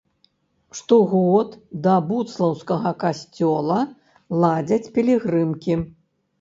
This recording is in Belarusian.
Штогод да будслаўскага касцёла ладзяць пілігрымкі.